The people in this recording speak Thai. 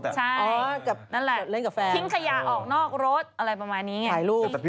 ใช่นั่นแหละทิ้งขยะออกนอกรถอะไรประมาณนี้